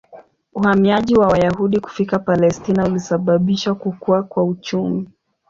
Uhamiaji wa Wayahudi kufika Palestina ulisababisha kukua kwa uchumi.